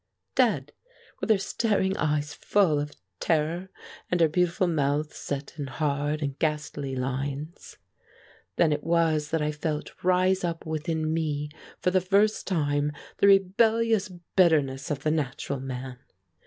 Dead, with her staring eyes full of terror, and her beautiful mouth set in hard and ghastly lines. Then it was that I felt rise up within me for the first time the rebellious bitterness of the natural man.